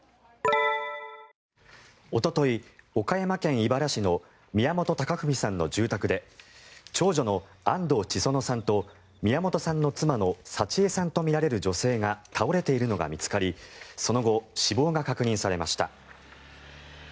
おととい、岡山県井原市の宮本隆文さんの住宅で長女の安藤千園さんと宮本さんの妻の幸枝さんとみられる女性が倒れているのが見つかりその後、死亡が確認されました。